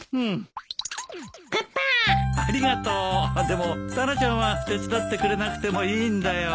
でもタラちゃんは手伝ってくれなくてもいいんだよ。